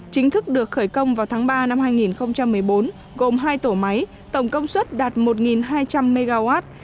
chính thức được khởi công vào tháng ba năm hai nghìn một mươi bốn gồm hai tổ máy tổng công suất đạt một hai trăm linh mw